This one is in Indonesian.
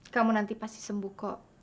kamu nanti pasti sembuh kok